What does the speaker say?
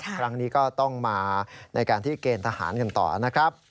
ครั้งนี้ก็ต้องมาในการที่เกณฑ์ทหารกันต่อนะครับ